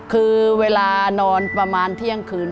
คือเวลานอนประมาณเที่ยงคืน